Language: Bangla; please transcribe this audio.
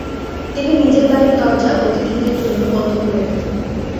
তিনি নিজের বাড়ির দরজা অতিথিদের জন্য বন্ধ করে দেন।